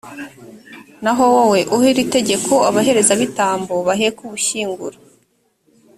naho wowe, uhe iri tegeko abaherezabitambo baheka ubushyinguro